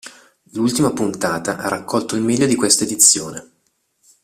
L'ultima puntata ha raccolto il meglio di questa edizione.